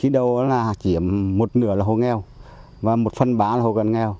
để giúp người dân yên tâm sản xuất